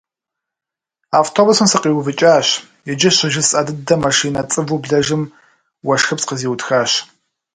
Автобусым сыкъиувыкӏащ иджы щыжысӏэ дыдэм машинэ цӏыву блэжым уэшхыпс къызиутхащ.